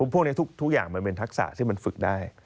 พวกนี้ทุกอย่างมันเป็นทักษะที่มันฝึกได้